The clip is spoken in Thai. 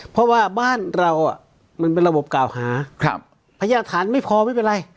เพราะว่าบ้านเรามันเป็นระบบกล่าวหาพยาฐานไม่พอไม่เป็นไร